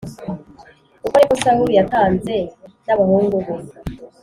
Uko ni ko Sawuli yatanze n abahungu be